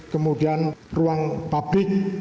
kemudian ruang pabrik